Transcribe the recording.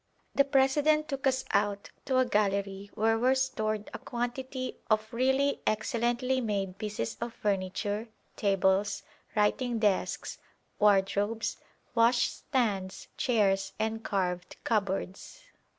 The President took us out to a gallery where were stored a quantity of really excellently made pieces of furniture, tables, writing desks, wardrobes, washstands, chairs, and carved cupboards.